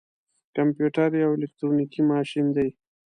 کمپيوټر يو اليکترونيکي ماشين دی.